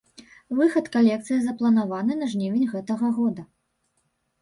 Выхад калекцыі запланаваны на жнівень гэтага года.